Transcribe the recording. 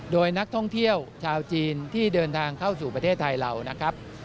โดยนักท่องเที่ยวชาวจีนที่เดินทางเข้าสู่ประเทศไทยเรานะครับ